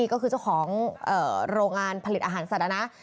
ก็คือเจ้าของโรงงานผลิตอาหารสัตว์นะ